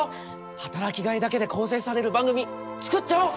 働きがいだけで構成される番組作っちゃおう！